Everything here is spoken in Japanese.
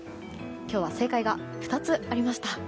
今日は正解が２つありました。